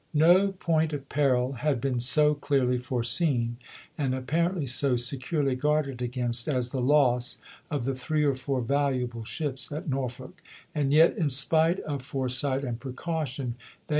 No point of peril had been so clearly foreseen, and apparently so securely guarded against, as the loss of the three or four valuable ships at Norfolk ; and yet, in spite of foresight and precaution, they 148 ABRAHAM LINCOLN Chap. VII.